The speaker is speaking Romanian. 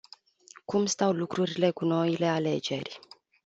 Cum stau lucrurile cu noile alegeri?